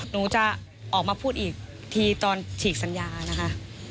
หนูจะออกมาพูดอีกทีตอนฉีกสัญญานะคะ